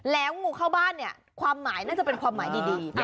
แล้วงูเข้าบ้านเนี่ยความหมายน่าจะเป็นความหมายดี